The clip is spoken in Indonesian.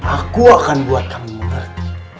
aku akan buat kamu lagi